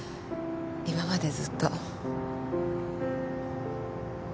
今までずっと。